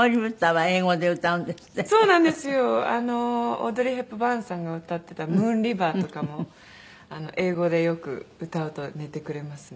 オードリー・ヘプバーンさんが歌ってた『ＭｏｏｎＲｉｖｅｒ』とかも英語でよく歌うと寝てくれますね。